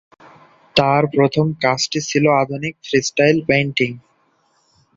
তার প্রথম কাজটি ছিল আধুনিক ফ্রিস্টাইল পেইন্টিং।